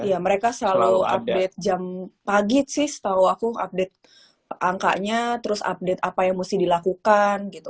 iya mereka selalu update jam pagi sih setahu aku update angkanya terus update apa yang mesti dilakukan gitu